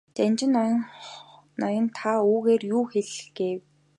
Жанжин ноён та үүгээрээ юу хэлэх гээв?